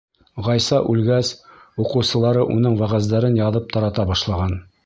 Ғайса үлгәс, уҡыусылары уның вәғәздәрен яҙып тарата башлаған.